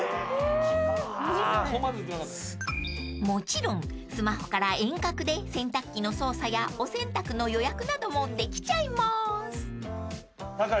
［もちろんスマホから遠隔で洗濯機の操作やお洗濯の予約などもできちゃいます］